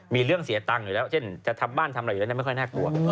มีเรื่องเสียตังค์อยู่แล้วเช่นจะทำบ้านทำอะไรอยู่แล้วนั้นไม่ค่อยน่ากลัว